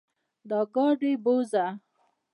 دا ګاډې بوځه.